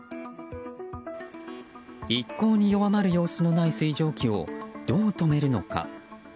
一向に弱まる様子のない水蒸気をどう止めるのか。